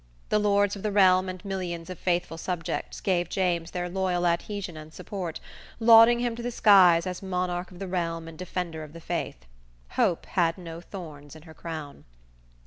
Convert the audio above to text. The lords of the realm and millions of faithful subjects gave James their loyal adhesion and support, lauding him to the skies as monarch of the realm and defender of the Faith. Hope had no thorns in her crown.